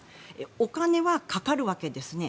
お金はかかるわけですね。